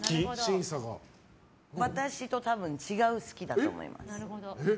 私と多分違う好きだと思います。